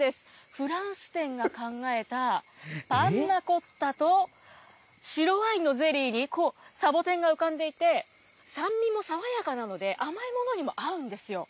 フランス店が考えた、パンナコッタと白ワインのゼリーにサボテンが浮かんでいて、酸味も爽やかなので、甘いものにも合うんですよ。